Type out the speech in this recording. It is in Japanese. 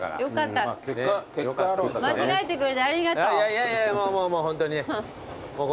いやいやもうもうホントに。